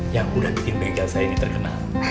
yang udah bikin begal saya ini terkenal